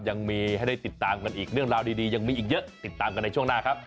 ยังมีให้ได้ติดตามกันอีกเรื่องราวดียังมีอีกเยอะติดตามกันในช่วงหน้าครับ